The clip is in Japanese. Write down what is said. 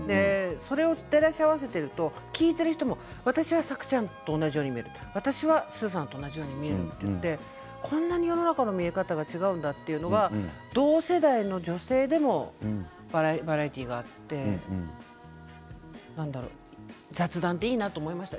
照らし合わせていると聞いている人も私はさくちゃんと同じように見える私はスーさんと同じように見えるとこんなに世の中の見方が違うということを同世代の女性でもバラエティーがあって雑談でもいいなと思いました。